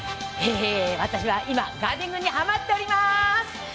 私は今ガーデニングにはまっております。